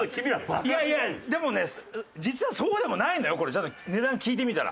いやいやでもね実はそうでもないのよこれ値段を聞いてみたら。